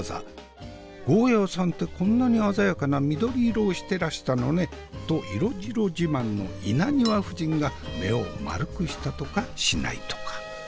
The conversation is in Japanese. ゴーヤーさんってこんなに鮮やかな緑色をしてらしたのねと色白自慢の稲庭夫人が目を丸くしたとかしないとか。